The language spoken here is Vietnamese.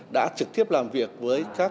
đã trực tiếp làm việc với các